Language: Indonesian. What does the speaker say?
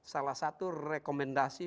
salah satu rekomendasi